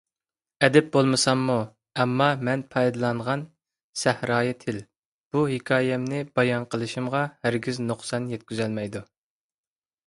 ئەدىب بولمىساممۇ، ئەمما مەن پايدىلانغان سەھرايى تىل بۇ ھېكايەمنى بايان قىلىشىمغا ھەرگىز نۇقسان يەتكۈزەلمەيدۇ.